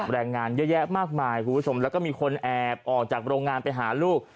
แรงงานเยอะแยะมากมายคุณผู้ชมแล้วก็มีคนแอบออกจากโรงงานไปหาลูก